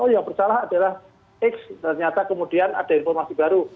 oh yang bersalah adalah x ternyata kemudian ada informasi baru